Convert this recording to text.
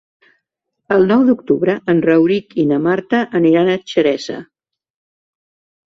El nou d'octubre en Rauric i na Marta aniran a Xeresa.